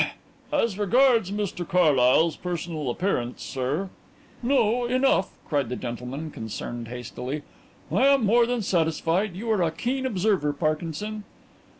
"As regards Mr Carlyle's personal appearance; sir " "No, enough!" cried the gentleman concerned hastily. "I am more than satisfied. You are a keen observer, Parkinson."